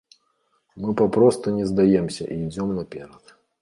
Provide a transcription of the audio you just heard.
Мы папросту не здаемся і ідзём наперад.